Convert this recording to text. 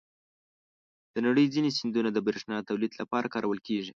د نړۍ ځینې سیندونه د بریښنا تولید لپاره کارول کېږي.